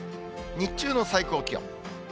日中の最高気温。